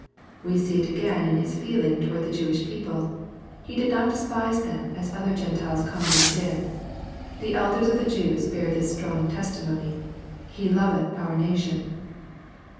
We see it again in his feeling towards the Jewish people. He did not despise them as other Gentilos commonly did. The elders of the Jews bear this strong testimony, " He loveth our nation.'